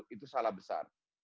itu salah besar